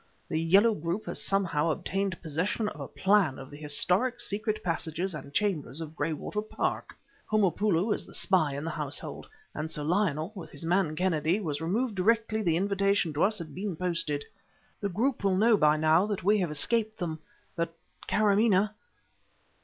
The Yellow group has somehow obtained possession of a plan of the historic secret passages and chambers of Graywater Park. Homopoulo is the spy in the household; and Sir Lionel, with his man Kennedy, was removed directly the invitation to us had been posted. The group will know by now that we have escaped them, but Kâramaneh